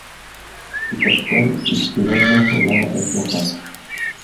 Su capital y ciudad más poblada es La Paz.